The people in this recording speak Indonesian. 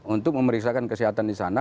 untuk memeriksakan kesehatan di sana